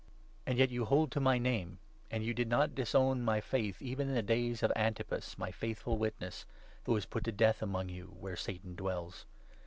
And yet you hold to my Name, and you did not disown my Faith even in the days of Antipas, my faithful witness, who was put to death among you where Satan dwells.